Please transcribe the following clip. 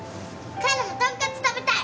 花奈もとんかつ食べたい！